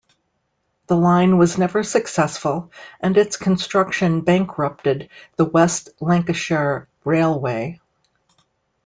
The line was never successful and its construction bankrupted the West Lancashire Railway.